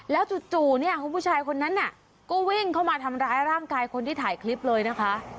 แล้วจู่เนี่ยคุณผู้ชายคนนั้นน่ะก็วิ่งเข้ามาทำร้ายร่างกายคนที่ถ่ายคลิปเลยนะคะ